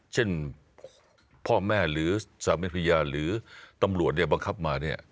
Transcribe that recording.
เช่นพ่อแม่หรือสามิพยาหรือตำรวจบังคับมา